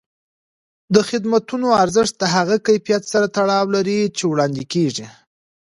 د خدمتونو ارزښت د هغه کیفیت سره تړاو لري چې وړاندې کېږي.